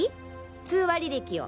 通話履歴を。